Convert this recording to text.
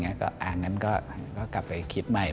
อย่างนั้นก็กลับไปคิดใหม่